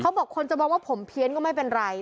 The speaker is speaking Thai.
บอกคนจะมองว่าผมเพี้ยนก็ไม่เป็นไร